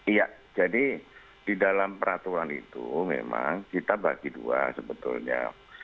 iya jadi di dalam peraturan itu memang kita bagi dua sebetulnya